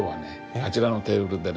あちらのテーブルでね